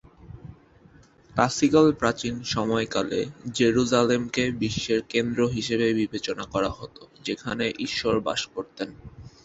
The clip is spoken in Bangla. ক্লাসিক্যাল প্রাচীন সময়কালে জেরুসালেমকে বিশ্বের কেন্দ্র হিসেবে বিবেচনা করা হত, যেখানে ঈশ্বর বাস করতেন।